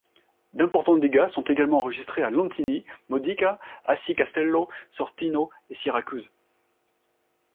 D'importants dégâts sont également enregistrés à Lentini, Modica, Aci Castello, Sortino et Syracuse.